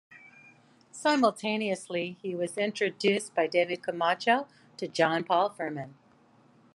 Simultaneously he was introduced by David Camacho to John Paul Firman.